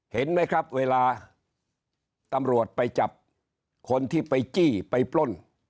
เห็นไหมครับเวลาตำรวจไปจับคนที่ไปจี้ไปปล้น